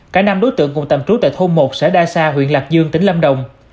cả năm đối tượng cùng tạm trú tại thôn một xã đa sa huyện lạc dương tỉnh lâm đồng